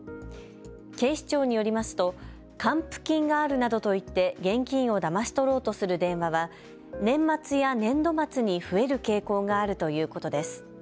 警視庁によりますと還付金があるなどと言って現金をだまし取ろうとする電話は年末や年度末に増える傾向があるということです。